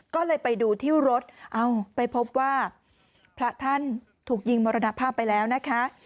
ก็เลยไปดูที่รถเอ้าไปพบว่าพระท่านถูกยิงมรณภาพไปแล้วนะคะ